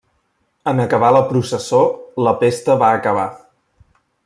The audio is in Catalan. En acabar la processó, la pesta va acabar.